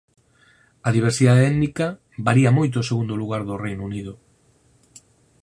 A diversidade étnica varía moito segundo o lugar do Reino Unido.